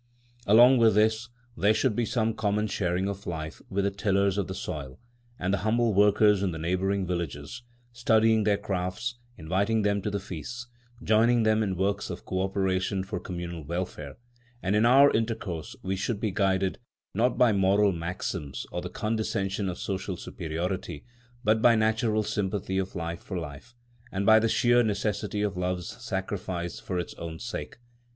Along with this, there should be some common sharing of life with the tillers of the soil and the humble workers in the neighbouring villages; studying their crafts, inviting them to the feasts, joining them in works of co operation for communal welfare; and in our intercourse we should be guided, not by moral maxims or the condescension of social superiority, but by natural sympathy of life for life, and by the sheer necessity of love's sacrifice for its own sake.